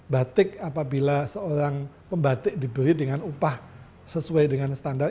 batik apabila seorang pembatik dibeli dengan upah sesuai dengan standar